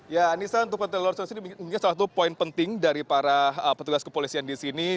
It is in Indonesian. ya anissa untuk penonton di sini ini adalah satu poin penting dari para petugas kepolisian di sini